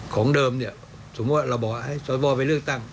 ของเดิมเนี่ยสมมุติว่าเราบอกให้สวไปเลือกตั้ง